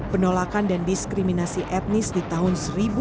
penolakan dan diskriminasi etnis di tahun seribu sembilan ratus sembilan puluh